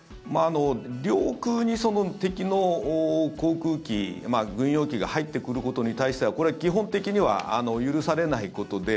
領空に敵の航空機軍用機が入ってくることに対してこれは基本的には許されないことで。